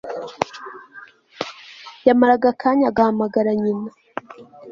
Yamaraga akanya agahamagara nyina